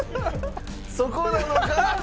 そこなのか？